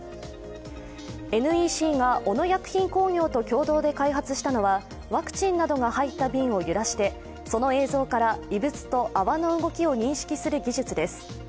ＮＥＣが小野薬品工業と共同で開発したのはワクチンなどが入った瓶を揺らしてその映像から異物と泡の動きを認識する技術です。